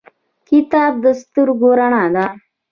کتاب د سترګو رڼا ده